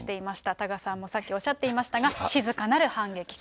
多賀さんもさっきおっしゃっていましたが、静かなる反撃か。